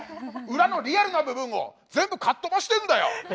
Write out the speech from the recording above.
裏のリアルな部分を全部かっ飛ばしてんだよ。